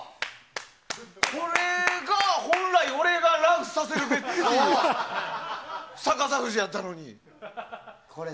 これが本来、俺が「ＲＵＮ」させるべき逆さ富士やったのに！